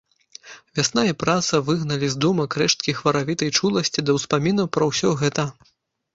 Вясна і праца выгналі з думак рэшткі хваравітай чуласці да ўспамінаў пра ўсё гэта.